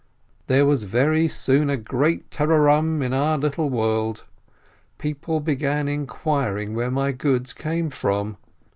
There was very soon a great tararam in our little world, people began inquiring where my goods came from.